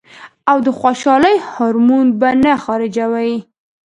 او د خوشالۍ هارمون به نۀ خارجوي -